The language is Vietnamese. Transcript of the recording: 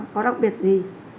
có đặc biệt gì